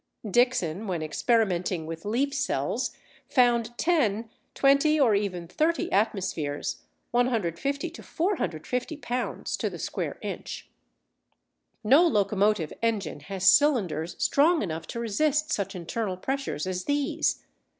Dixon, when experimenting with leaf cells, found ten, twenty, or even thirty atmospheres (150 to 450 lb. to the square inch). No locomotive engine has cylinders strong enough to resist such internal pressures as these.